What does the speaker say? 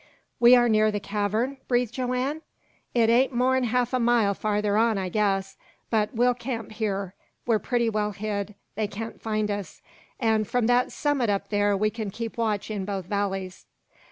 "We are near the cavern?" breathed Joanne. "It ain't more'n half a mile farther on, I guess. But we'll camp here. We're pretty well hid. They can't find us. An' from that summit up there we can keep watch in both valleys."